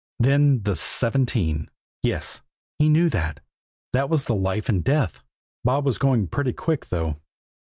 Then the "seventeen" yes, he knew that that was the life and death. Bob was going pretty quick, though.